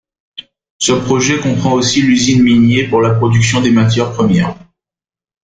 Ce projet comprend aussi l’usine minier pour la production des matières premières.